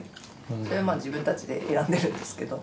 それは自分たちで選んでるんですけど。